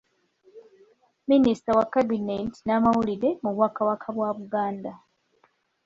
Minisita wa Kabineeti n’amawulire mu bwakabaka bwa Buganda.